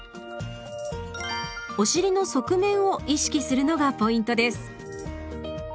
お尻の側面を意識するのがポイントです。